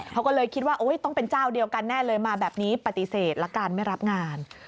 เขาก็เลยคิดว่าต้องเป็นเจ้าเดียวกันแน่เลยมาแบบนี้ปฏิเสธละกันไม่รับงาน